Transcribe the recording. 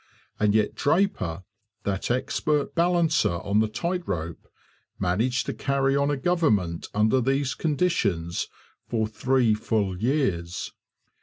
And yet Draper, that expert balancer on the tight rope, managed to carry on a government under these conditions for three full years.